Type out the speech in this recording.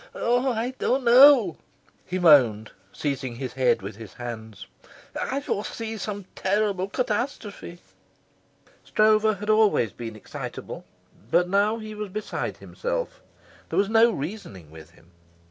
"Oh, I don't know," he moaned, seizing his head with his hands. "I foresee some terrible catastrophe." Stroeve had always been excitable, but now he was beside himself; there was no reasoning with him.